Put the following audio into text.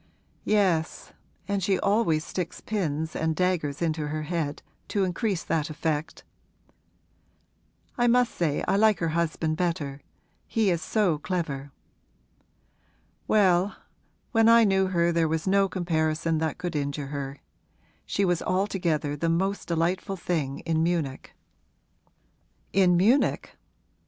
'Yes, and she always sticks pins and daggers into her head, to increase that effect. I must say I like her husband better: he is so clever.' 'Well, when I knew her there was no comparison that could injure her. She was altogether the most delightful thing in Munich.' 'In Munich?'